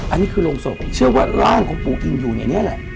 อันนี้คือโรงศพเชื่อว่าร่างของปู่อินอยู่ในนี้แหละ